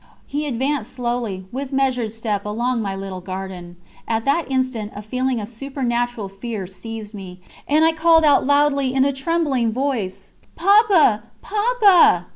He advanced slowly, with measured step, along my little garden; at that instant a feeling of supernatural fear seized me, and I called out loudly in a trembling voice: "Papa, Papa!"